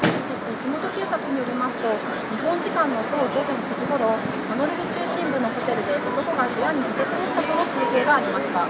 地元警察によりますと、日本時間のきょう午前９時ごろ、ホノルル中心部のホテルで、男が部屋に立てこもったとの通報がありました。